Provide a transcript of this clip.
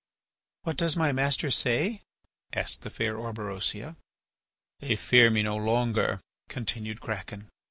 "What does my master say?" asked the fair Orberosia. "They fear me no longer," continued Kraken.